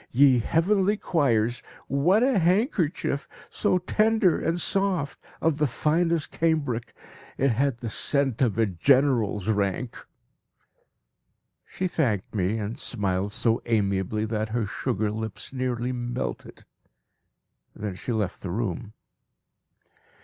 Ye heavenly choirs, what a handkerchief! So tender and soft, of the finest cambric. It had the scent of a general's rank! She thanked me, and smiled so amiably that her sugar lips nearly melted. Then she left the room.